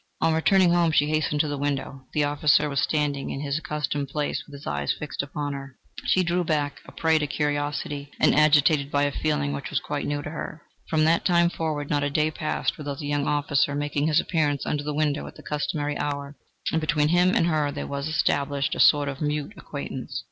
On returning home, she hastened to the window the officer was standing in his accustomed place, with his eyes fixed upon her. She drew back, a prey to curiosity and agitated by a feeling which was quite new to her. From that time forward not a day passed without the young officer making his appearance under the window at the customary hour, and between him and her there was established a sort of mute acquaintance.